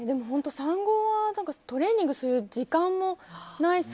産後はトレーニングする時間もないし。